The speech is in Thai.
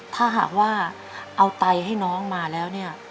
ถ้าหากว่าเอาไตให้น้องมาแล้วเนี่ย